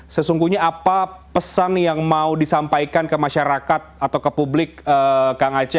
sesungguhnya apa pesan yang mau disampaikan ke masyarakat atau ke publik kang aceh